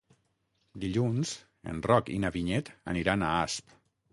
Dilluns en Roc i na Vinyet aniran a Asp.